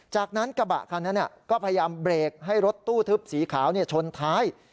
จากนั้นกระบะคันนั้นก็พยายามเบรกให้รถตู้ทึบสีขาวชนท้าย